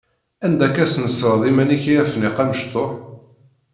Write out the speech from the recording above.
Anda akka tesnesreḍ iman-ik a Afniq amecṭuḥ?